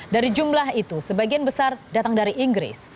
dari jumlah itu sebagian besar datang dari inggris